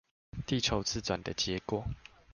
地球自轉的結果